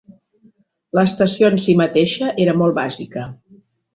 L'estació en sí mateixa era molt bàsica.